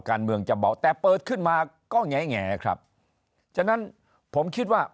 การเมืองจะเบาะแต่เปิดขึ้นมาก็แงครับฉะนั้นผมคิดว่า